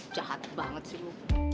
jahat banget sih lo